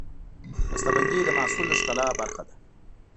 بستهبندي د محصول د ښکلا برخه ده.